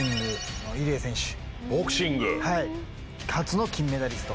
初の金メダリスト。